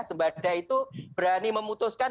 sembadai itu berani memutuskan